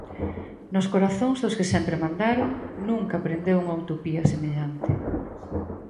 Nos corazóns dos que sempre mandaron nunca prendeu unha utopía semellante.